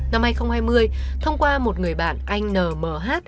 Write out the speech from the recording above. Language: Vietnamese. năm hai nghìn hai mươi thông qua một người bạn anh nmh